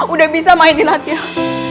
udah bisa mainin hati aku